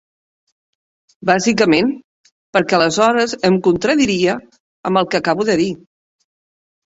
Bàsicament perquè aleshores em contradiria amb el que acabo de dir.